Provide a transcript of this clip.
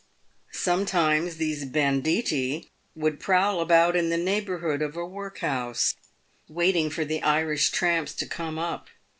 Sometimes these banditti would prowl about in the neighbourhood of a workhouse, waiting for the Irish tramps to come up.